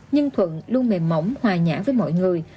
nhưng thuận luôn mềm mỏng hòa nhã với mọi người